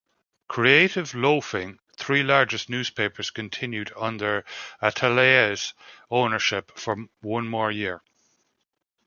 "Creative Loafing" three largest newspapers continued under Atalaya's ownership for one more year.